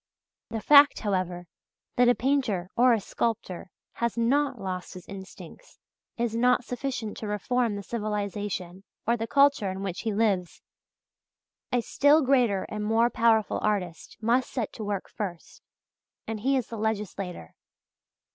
The fact, however, that a painter or a sculptor has not lost his instincts is not sufficient to reform the civilization or the culture in which he lives. A still greater and more powerful artist must set to work first, and he is the legislator.